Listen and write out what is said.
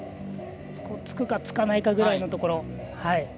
つくかつかないかぐらいのところ。